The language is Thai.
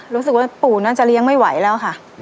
รู้สึกว่าปู่น่าจะเลี้ยงไม่ไหวแล้วค่ะ